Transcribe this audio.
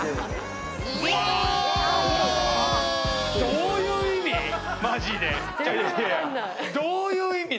どういう意味！？